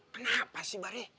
kenapa sih bari